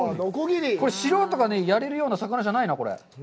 素人がやれるような魚じゃないな。